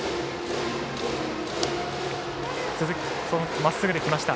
まっすぐできました。